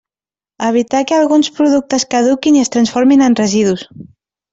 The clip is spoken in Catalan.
Evitar que alguns productes caduquin i es transformin en residus.